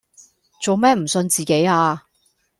做咩唔信自己呀